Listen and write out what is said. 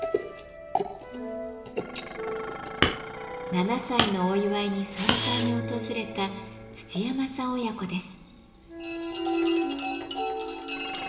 ７歳のお祝いに参拝に訪れた土山さん親子です。